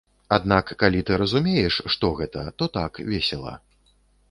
Аднак калі ты разумееш, што гэта, то так, весела.